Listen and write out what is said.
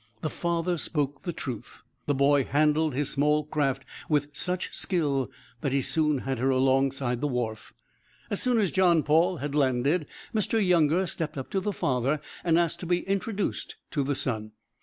The father spoke with truth. The boy handled his small craft with such skill that he soon had her alongside the wharf. As soon as John Paul had landed Mr. Younger stepped up to the father and asked to be introduced to the son.